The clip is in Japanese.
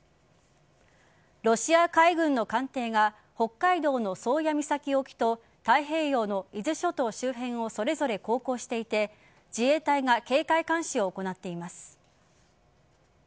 ロシア海軍の艦艇が北海道の宗谷岬沖と太平洋の伊豆諸島周辺をそれぞれ航行していて自衛隊が警戒監視を行っています。